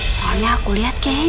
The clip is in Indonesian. soalnya aku lihat ken